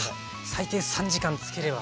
最低３時間漬ければ。